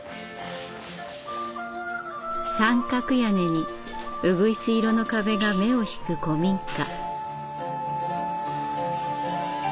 三角屋根にウグイス色の壁が目を引く古民家。